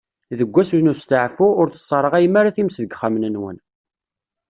Deg wass n usteɛfu, ur tesseṛɣayem ara times deg yexxamen-nwen.